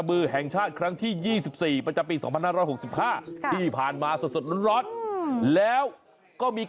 เพราะว่าเธอคนนี้พูดเธอคนนี้